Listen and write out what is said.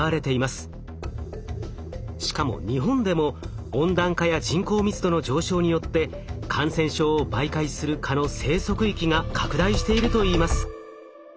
しかも日本でも温暖化や人口密度の上昇によって感染症を媒介する蚊の生息域が拡大しているといいます。